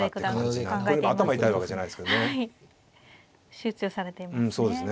集中されていますね。